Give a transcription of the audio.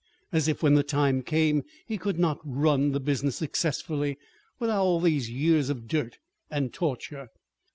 As if, when the time came, he could not run the business successfully without all these years of dirt and torture!